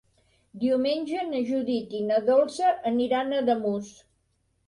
Diumenge na Judit i na Dolça aniran a Ademús.